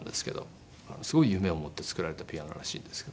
すごい夢を持って作られたピアノらしいんですけど。